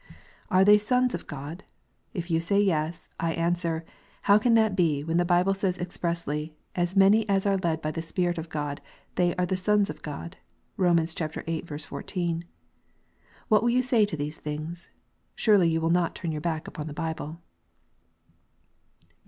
Are they sons of God ? If you say Yes, I answer, How can that be, when the Bible says expressly, " As many as are led by the Spirit of God, they are the sons of God "? (Kom. viii. 14.) What will you say to these things? Surely you will not turn your back upon the Bible.